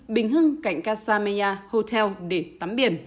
bình hưng cạnh casa meya hotel để tắm biển